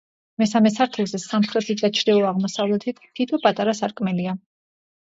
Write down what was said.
მესამე სართულზე, სამხრეთით და ჩრდილო-აღმოსავლეთით თითო პატარა სარკმელია.